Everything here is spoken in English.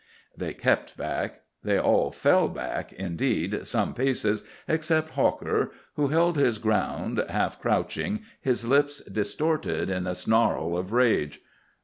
They kept back. They all fell back, indeed, some paces, except Hawker, who held his ground, half crouching, his lips distorted in a snarl of rage.